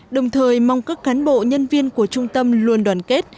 đồng thời mong các cán bộ nhân viên của trung tâm luôn đoàn kết